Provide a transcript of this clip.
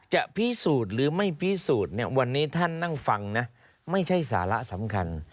จะพิสูจน์หรือไม่พิสูจน์เนี่ยวันนี้ท่านนั่งฟังนะไม่ใช่สาระสำคัญ